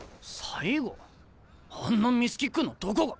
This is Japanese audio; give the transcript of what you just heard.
あんなミスキックのどこが。